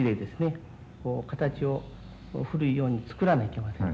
こう形を古いように作らないけません。